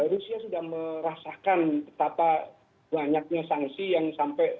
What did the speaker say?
rusia sudah merasakan betapa banyaknya sanksi yang sampai